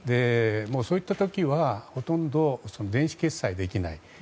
そういった時はほとんど電子決済ができない。